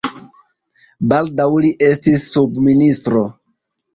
Baldaŭ li estis subministro.